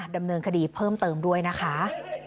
ดำเนินคดีเพิ่มเติมด้วยนะคะ